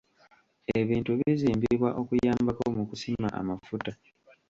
Ebintu bizimbibwa okuyambako mu kusima amafuta.